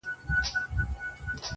هره شپه چي تېرېده ته مي لیدلې!!